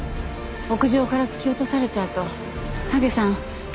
屋上から突き落とされたあと丹下さん